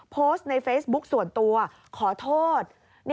โพสต์ในเฟซบุ๊กส่วนตัวขอโทษ